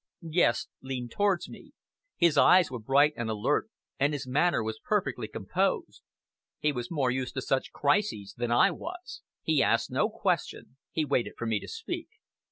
Guest leaned towards me. His eyes were bright and alert, and his manner was perfectly composed. He was more used to such crises than I was. He asked no question; he waited for me to speak.